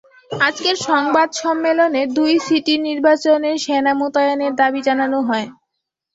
আজকের সংবাদ সম্মেলনে দুই সিটির নির্বাচনে সেনা মোতায়েনের দাবি জানানো হয়।